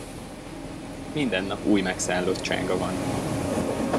Minden nap új megszállottsága van.